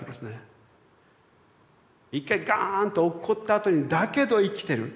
一回ガーンと落っこったあとにだけど生きてる。